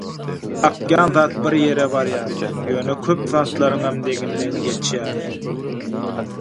Akýan zat bir ýerlere barýar, ýöne köp zatlaryňam deňinden geçýär.